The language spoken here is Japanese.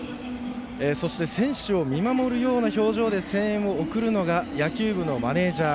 そして選手を見守るような表情で声援を送るのが野球部のマネージャー。